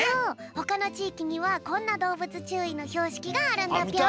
ほかのちいきにはこんなどうぶつちゅういのひょうしきがあるんだぴょん。